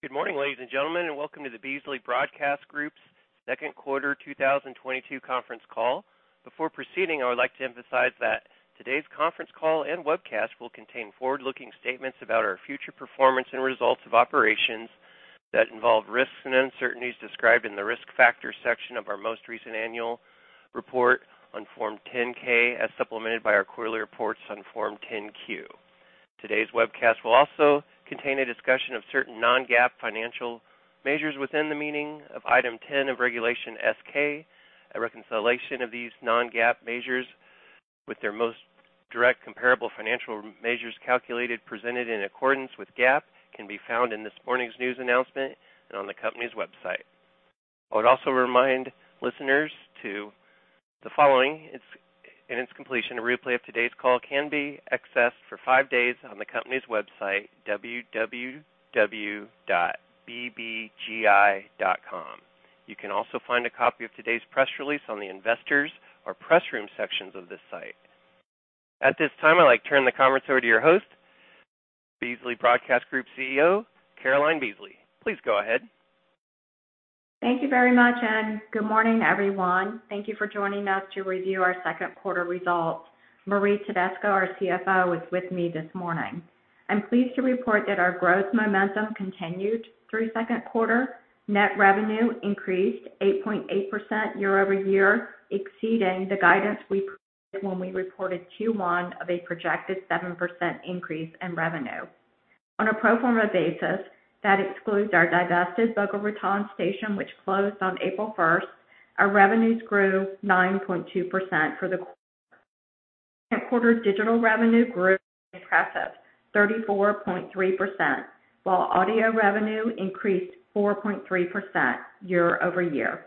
Good morning, ladies and gentlemen, and welcome to the Beasley Broadcast Group's second quarter 2022 conference call. Before proceeding, I would like to emphasize that today's conference call and webcast will contain forward-looking statements about our future performance and results of operations that involve risks and uncertainties described in the Risk Factors section of our most recent annual report on Form 10-K, as supplemented by our quarterly reports on Form 10-Q. Today's webcast will also contain a discussion of certain non-GAAP financial measures within the meaning of Item 10 of Regulation S-K. A reconciliation of these non-GAAP measures with their most directly comparable financial measures calculated and presented in accordance with GAAP can be found in this morning's news announcement and on the company's website. I would also remind listeners to the following. Upon completion, a replay of today's call can be accessed for five days on the company's website, www.bbgi.com. You can also find a copy of today's press release on the Investors or Press Room sections of this site. At this time, I'd like to turn the conference over to your host, Beasley Broadcast Group CEO, Caroline Beasley. Please go ahead. Thank you very much, Ed. Good morning, everyone. Thank you for joining us to review our second quarter results. Marie Tedesco, our CFO, is with me this morning. I'm pleased to report that our growth momentum continued through second quarter. Net revenue increased 8.8% year-over-year, exceeding the guidance we provided when we reported Q1 of a projected 7% increase in revenue. On a pro forma basis, that excludes our divested Boca Raton station, which closed on April 1st, our revenues grew 9.2% for the quarter. Second quarter digital revenue grew an impressive 34.3%, while audio revenue increased 4.3% year-over-year.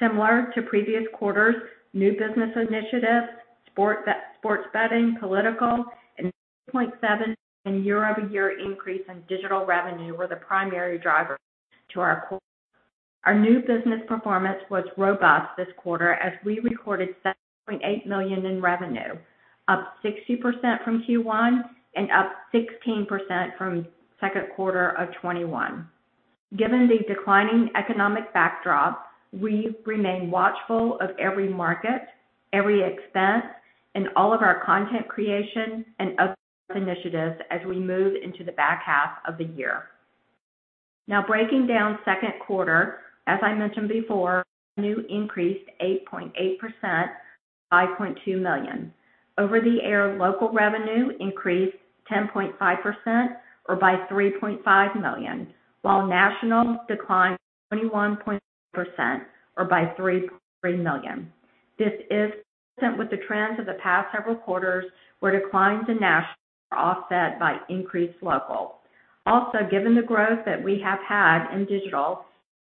Similar to previous quarters, new business initiatives, sports betting, political, and a 6.7% year-over-year increase in digital revenue were the primary drivers for the quarter. Our new business performance was robust this quarter as we recorded $7.8 million in revenue, up 60% from Q1 and up 16% from second quarter of 2021. Given the declining economic backdrop, we remain watchful of every market, every expense, and all of our content creation and upstart initiatives as we move into the back half of the year. Now breaking down second quarter, as I mentioned before, revenue increased 8.8%, $5.2 million. Over-the-air local revenue increased 10.5% or by $3.5 million, while national declined 21.6% or by $3 million. This is consistent with the trends of the past several quarters, where declines in national are offset by increased local. Also, given the growth that we have had in digital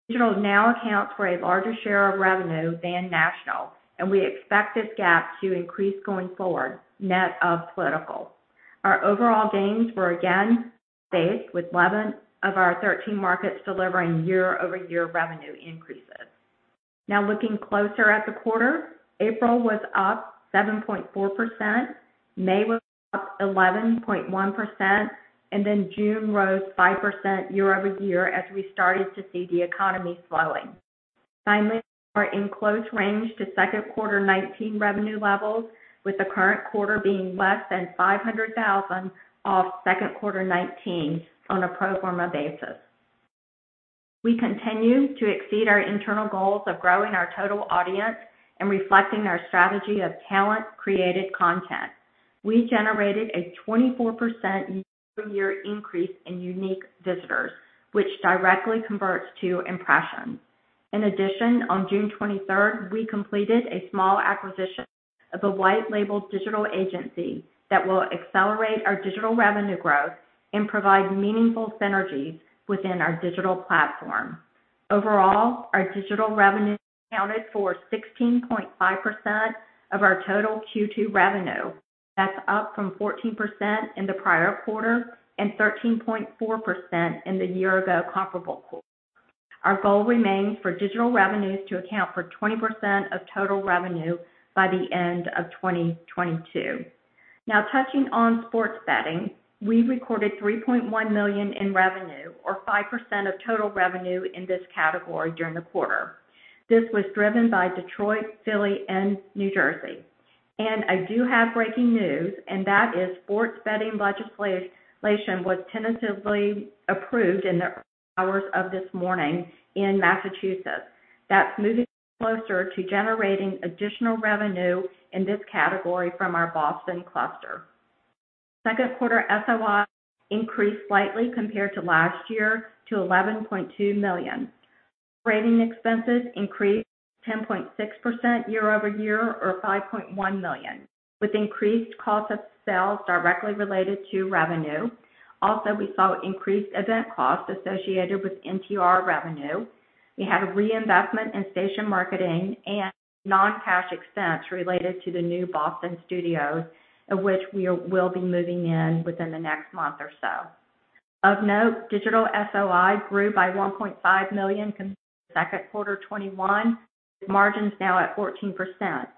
now accounts for a larger share of revenue than national, and we expect this gap to increase going forward, net of political. Our overall gains were again broad-based, with 11 of our 13 markets delivering year-over-year revenue increases. Now looking closer at the quarter, April was up 7.4%, May was up 11.1%, and then June rose 5% year-over-year as we started to see the economy slowing. Finally, we are in close range to second quarter 2019 revenue levels, with the current quarter being less than $500,000 off second quarter 2019 on a pro forma basis. We continue to exceed our internal goals of growing our total audience and reflecting our strategy of talent-created content. We generated a 24% year-over-year increase in unique visitors, which directly converts to impressions. In addition, on June 23rd, we completed a small acquisition of a white labeled digital agency that will accelerate our digital revenue growth and provide meaningful synergies within our digital platform. Overall, our digital revenue accounted for 16.5% of our total Q2 revenue. That's up from 14% in the prior quarter and 13.4% in the year ago comparable quarter. Our goal remains for digital revenues to account for 20% of total revenue by the end of 2022. Now touching on sports betting. We recorded $3.1 million in revenue or 5% of total revenue in this category during the quarter. This was driven by Detroit, Philly, and New Jersey. I do have breaking news, and that is sports betting legislation was tentatively approved in the early hours of this morning in Massachusetts. That's moving us closer to generating additional revenue in this category from our Boston cluster. Second quarter SOI increased slightly compared to last year to $11.2 million. Operating expenses increased 10.6% year-over-year or $5.1 million, with increased cost of sales directly related to revenue. Also, we saw increased event costs associated with NTR revenue. We had reinvestment in station marketing and non-cash expense related to the new Boston studios, of which we will be moving in within the next month or so. Of note, digital SOI grew by $1.5 million compared to second quarter 2021. Margins now at 14%.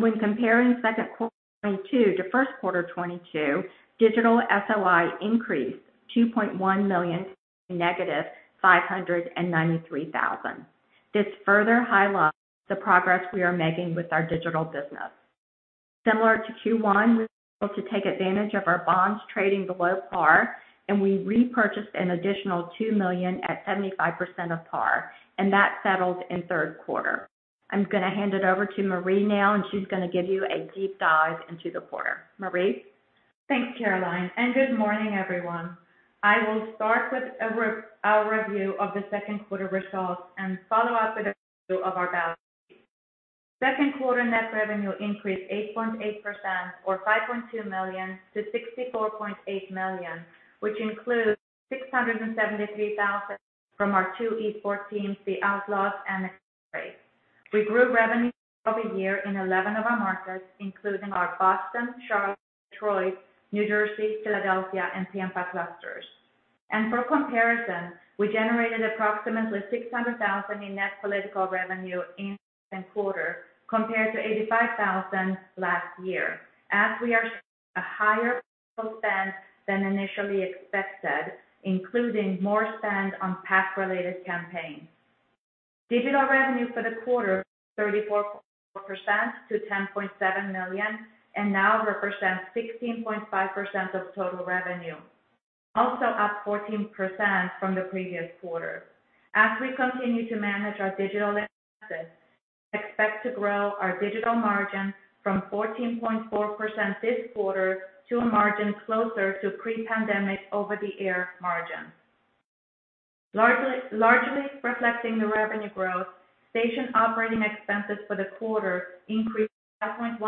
When comparing second quarter 2022 to first quarter 2022, digital SOI increased $2.1 million to -$593,000. This further highlights the progress we are making with our digital business. Similar to Q1, we were able to take advantage of our bonds trading below par, and we repurchased an additional $2 million at 75% of par, and that settles in third quarter. I'm gonna hand it over to Marie now, and she's gonna give you a deep dive into the quarter. Marie. Thanks, Caroline, and good morning, everyone. I will start with a review of the second quarter results and follow up with a review of our balance sheet. Second quarter net revenue increased 8.8% or $5.2 million-$64.8 million, which includes $673,000 from our two esports teams, The Outlaws and Florida Mutineers. We grew revenue over a year in 11 of our markets, including our Boston, Charlotte, Detroit, New Jersey, Philadelphia and Tampa clusters. For comparison, we generated approximately $600,000 in net political revenue in second quarter compared to $85,000 last year. As we are seeing a higher political spend than initially expected, including more spend on PAC-related campaigns. Digital revenue for the quarter, 34% to $10.7 million and now represents 16.5% of total revenue, also up 14% from the previous quarter. As we continue to manage our digital expenses, we expect to grow our digital margin from 14.4% this quarter to a margin closer to pre-pandemic over-the-air margin. Largely reflecting the revenue growth, station operating expenses for the quarter increased $5.1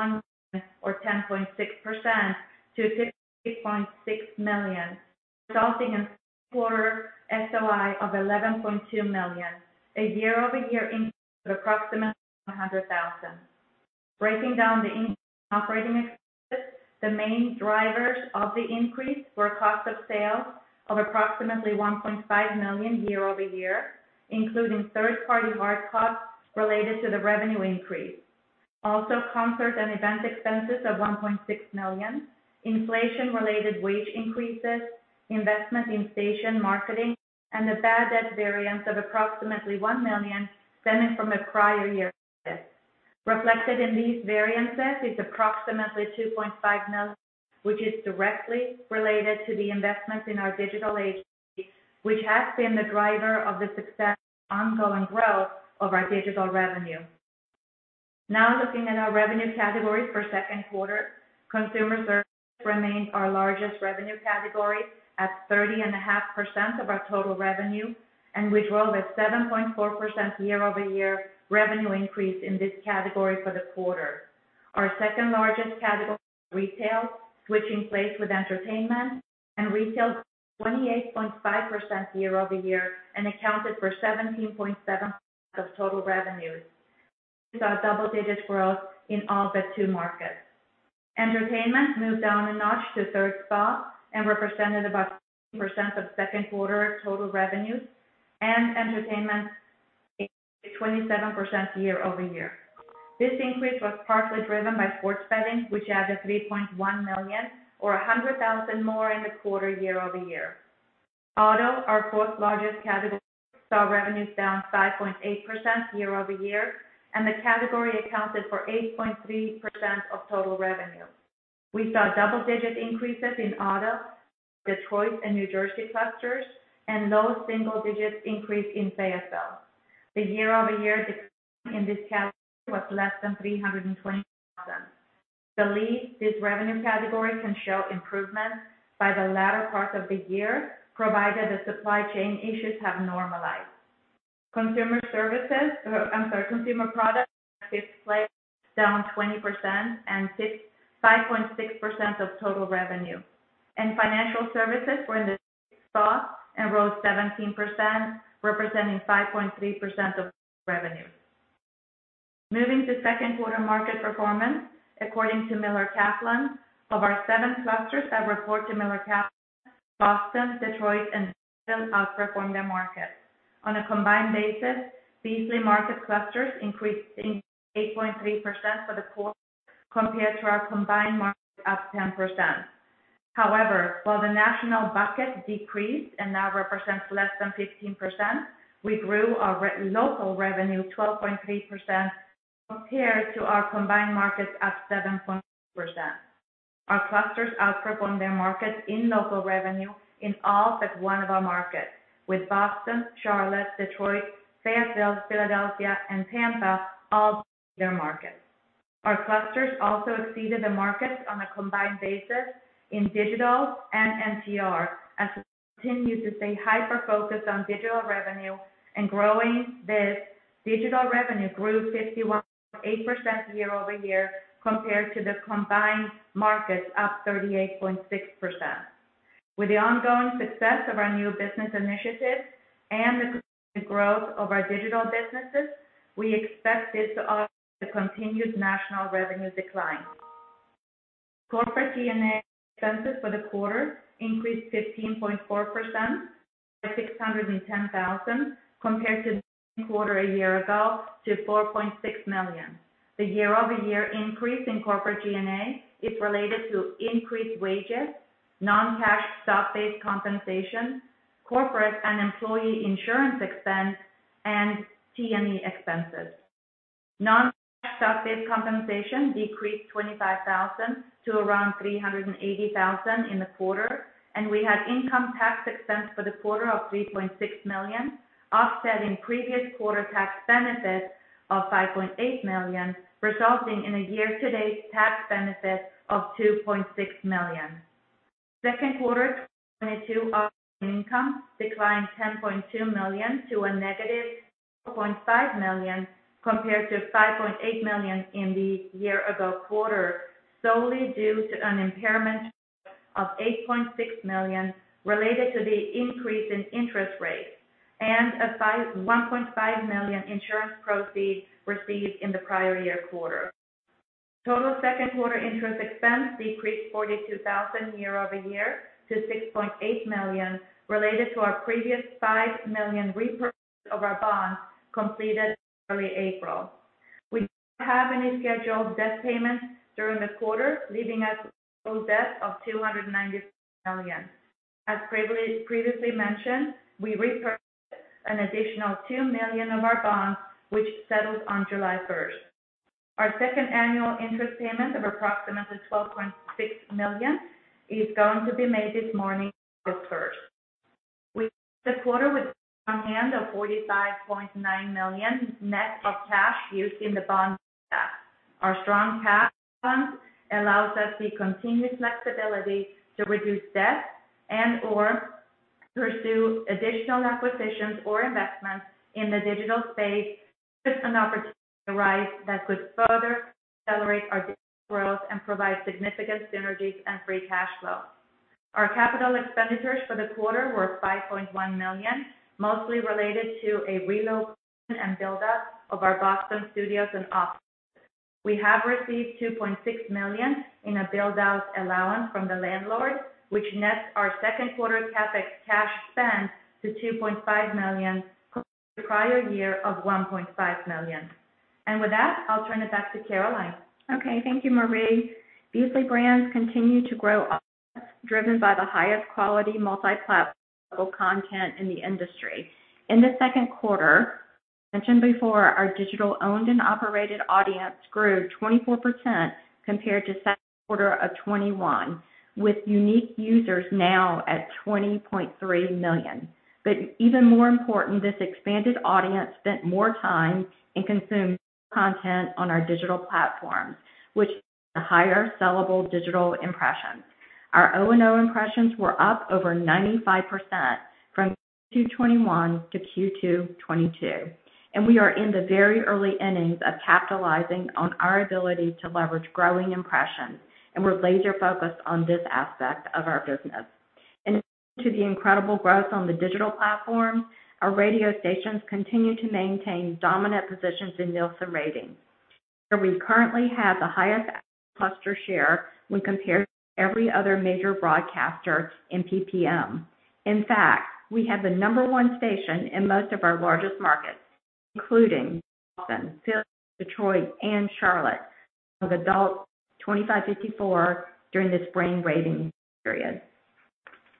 million or 10.6% to $68.6 million, resulting in quarter SOI of $11.2 million, a year-over-year increase of approximately $100,000. Breaking down the increase in operating expenses, the main drivers of the increase were cost of sales of approximately $1.5 million year-over-year, including third-party hard costs related to the revenue increase. Concert and event expenses of $1.6 million, inflation-related wage increases, investment in station marketing, and a bad debt variance of approximately $1 million stemming from a prior year purchase. Reflected in these variances is approximately $2.5 million, which is directly related to the investments in our digital agency, which has been the driver of the success and ongoing growth of our digital revenue. Now looking at our revenue categories for second quarter. Consumer services remains our largest revenue category at 30.5% of our total revenue, and we drove a 7.4% year-over-year revenue increase in this category for the quarter. Our second-largest category was retail, switching place with entertainment and retail, 28.5% year-over-year and accounted for 17.7% of total revenues. We saw double-digit growth in all but two markets. Entertainment moved down a notch to third spot and represented about 20% of second quarter total revenues and entertainment increased 27% year-over-year. This increase was partly driven by sports betting, which added $3.1 million or $100,000 more in the quarter year-over-year. Auto, our fourth-largest category, saw revenues down 5.8% year-over-year, and the category accounted for 8.3% of total revenue. We saw double-digit increases in auto, Detroit and New Jersey clusters and low single digits increase in Fayetteville. The year-over-year decline in this category was less than $320,000. Believe this revenue category can show improvements by the latter part of the year, provided the supply chain issues have normalized. Consumer services, I'm sorry, consumer products in fifth place, down 20% and 5.6% of total revenue. Financial services were in the sixth spot and rose 17%, representing 5.3% of revenue. Moving to second quarter market performance. According to Miller Kaplan, of our seven clusters that report to Miller Kaplan, Boston, Detroit and Fayetteville outperformed their markets. On a combined basis, Beasley market clusters increased 8.3% for the quarter compared to our combined market up 10%. However, while the national bucket decreased and now represents less than 15%, we grew our local revenue 12.3% compared to our combined markets at 7.6%. Our clusters outperformed their markets in local revenue in all but one of our markets, with Boston, Charlotte, Detroit, Fayetteville, Philadelphia and Tampa all beating their markets. Our clusters also exceeded the markets on a combined basis in digital and NTR. As we continue to stay hyper-focused on digital revenue and growing this, digital revenue grew 51.8% year-over-year compared to the combined markets up 38.6%. With the ongoing success of our new business initiatives and the continued growth of our digital businesses, we expect this to offset the continued national revenue decline. Corporate G&A expenses for the quarter increased 15.4% by $610,000, compared to the quarter a year ago to $4.6 million. The year-over-year increase in corporate G&A is related to increased wages, non-cash stock-based compensation, corporate and employee insurance expense, and T&E expenses. Non-cash stock-based compensation decreased $25,000 to around $380,000 in the quarter, and we had income tax expense for the quarter of $3.6 million, offsetting previous quarter tax benefits of $5.8 million, resulting in a year-to-date tax benefit of $2.6 million. Second quarter 2022 operating income declined $10.2 million to a negative $4.5 million compared to $5.8 million in the year-ago quarter, solely due to an impairment charge of $8.6 million related to the increase in interest rates and a $1.5 million insurance proceeds received in the prior year quarter. Total second quarter interest expense decreased $42,000 year-over-year to $6.8 million, related to our previous $5 million repurchase of our bonds completed in early April. We didn't have any scheduled debt payments during the quarter, leaving us with total debt of $296 million. As previously mentioned, we repurchased an additional $2 million of our bonds, which settles on July 1. Our second annual interest payment of approximately $12.6 million is going to be made this morning, August 1. We ended the quarter with a strong ending of $45.9 million net of cash used in the bond buyback. Our strong cash funds allows us the continued flexibility to reduce debt and/or pursue additional acquisitions or investments in the digital space should an opportunity arise that could further accelerate our business growth and provide significant synergies and free cash flow. Our capital expenditures for the quarter were $5.1 million, mostly related to relocation and build-out of our Boston studios and offices. We have received $2.6 million in a build-out allowance from the landlord, which nets our second quarter CapEx cash spend to $2.5 million, compared to prior year of $1.5 million. With that, I'll turn it back to Caroline. Okay. Thank you, Marie. Beasley Brands continue to grow, driven by the highest quality multi-platform global content in the industry. In the second quarter, as mentioned before, our digital owned and operated audience grew 24% compared to second quarter of 2021, with unique users now at 20.3 million. Even more important, this expanded audience spent more time and consumed more content on our digital platforms, which means a higher sellable digital impression. Our O&O impressions were up over 95% from Q2 2021 to Q2 2022, and we are in the very early innings of capitalizing on our ability to leverage growing impressions, and we're laser focused on this aspect of our business. In addition to the incredible growth on the digital platform, our radio stations continue to maintain dominant positions in Nielsen ratings, where we currently have the highest audience cluster share when compared to every other major broadcaster in PPM. In fact, we have the number 1 station in most of our largest markets, including Boston, Philadelphia, Detroit, and Charlotte, with adults 25-54 during the spring rating period.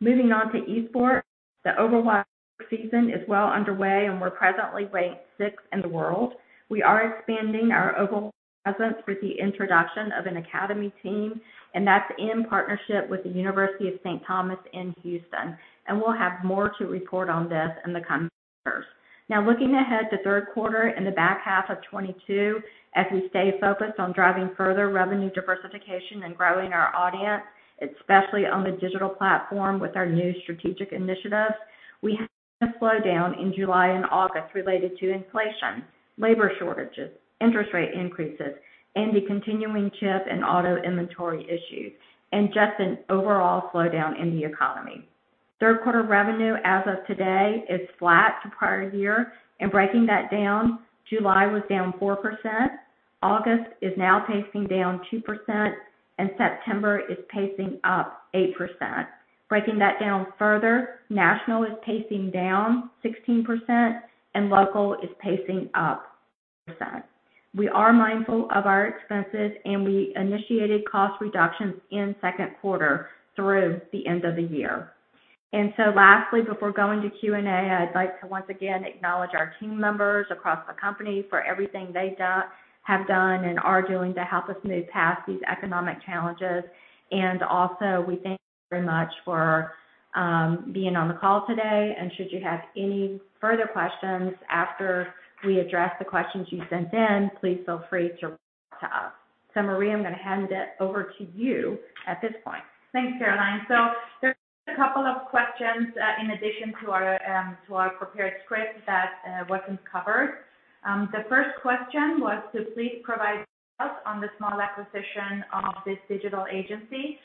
Moving on to esports, the Overwatch League season is well underway, and we're presently ranked sixth in the world. We are expanding our Overwatch presence with the introduction of an academy team, and that's in partnership with the University of St. Thomas in Houston. We'll have more to report on this in the coming quarters. Now looking ahead to third quarter and the back half of 2022, as we stay focused on driving further revenue diversification and growing our audience, especially on the digital platform with our new strategic initiatives, we have seen a slowdown in July and August related to inflation, labor shortages, interest rate increases, and the continuing chip and auto inventory issues, and just an overall slowdown in the economy. Third quarter revenue as of today is flat to prior year. Breaking that down, July was down 4%, August is now pacing down 2%, and September is pacing up 8%. Breaking that down further, national is pacing down 16%, and local is pacing up 8%. We are mindful of our expenses, and we initiated cost reductions in second quarter through the end of the year. Lastly, before going to Q&A, I'd like to once again acknowledge our team members across the company for everything they've done and are doing to help us move past these economic challenges. Also, we thank you very much for being on the call today. Should you have any further questions after we address the questions you sent in, please feel free to reach out to us. Marie, I'm gonna hand it over to you at this point. Thanks, Caroline. There's a couple of questions in addition to our prepared script that wasn't covered. The first question was to please provide details on the small acquisition of this digital agency,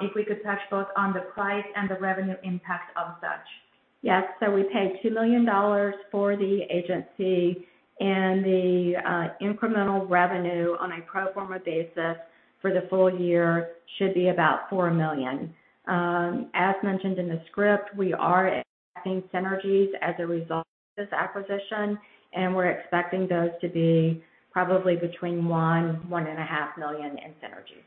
if we could touch both on the price and the revenue impact of such. Yes. We paid $2 million for the agency and the incremental revenue on a pro forma basis for the full year should be about $4 million. As mentioned in the script, we are expecting synergies as a result of this acquisition, and we're expecting those to be probably between $1 million and $1.5 million in synergies.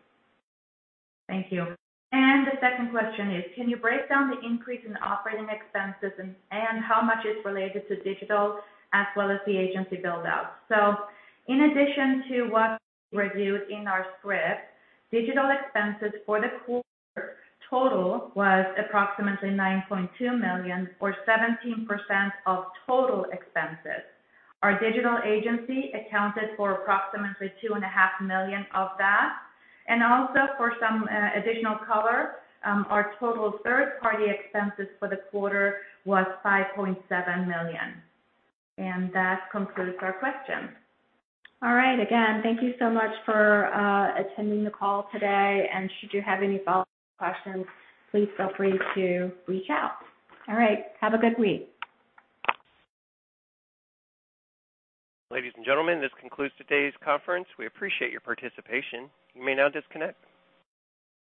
Thank you. The second question is, can you break down the increase in operating expenses and how much is related to digital as well as the agency build-out? In addition to what we reviewed in our script, digital expenses for the quarter total was approximately $9.2 million or 17% of total expenses. Our digital agency accounted for approximately $2.5 million of that. Also for some additional color, our total third-party expenses for the quarter was $5.7 million. That concludes our questions. All right. Again, thank you so much for attending the call today. Should you have any follow-up questions, please feel free to reach out. All right. Have a good week. Ladies and gentlemen, this concludes today's conference. We appreciate your participation. You may now disconnect.